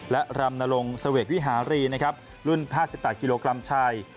และรำนรงสเวกวิหารีรุ่น๕๘กิโลกรัมชาย